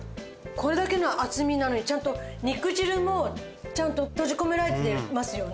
これだけの厚みなのにちゃんと肉汁もちゃんと閉じ込められてますよね。